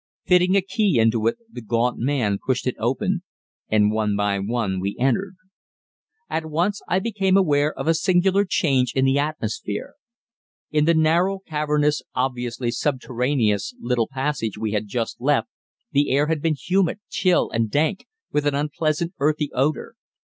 Fitting a key into it, the gaunt man pushed it open, and one by one we entered. At once I became aware of a singular change in the atmosphere. In the narrow, cavernous, obviously subterraneous little passage we had just left the air had been humid, chill, and dank, with an unpleasant earthy odour.